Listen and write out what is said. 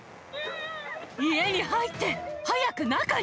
家に入って！早く中に。